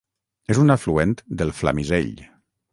És un afluent del Flamisell.